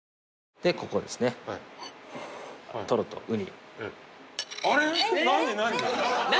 でここですねトロとウニあれっ何何？